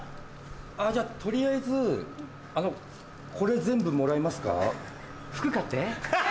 じゃ取りあえずこれ全部もらえますか？